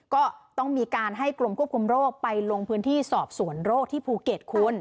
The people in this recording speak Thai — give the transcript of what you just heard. ก็ต้องมีการให้กรมควบคุมโรคไปลงพื้นที่สอบสวนโรคที่ภูเก็ตคุณ